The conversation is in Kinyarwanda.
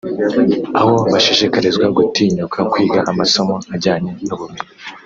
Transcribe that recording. aho bashishikarizwa gutinyuka kwiga amasomo ajyanye n’ubumenyi